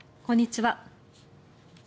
こんにちは。